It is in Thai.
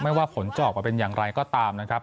ว่าผลจะออกมาเป็นอย่างไรก็ตามนะครับ